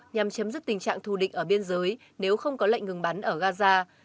nhằm chấm dứt tình trạng thù định ở biên giới nếu không có lệnh ngừng bắn ở gaza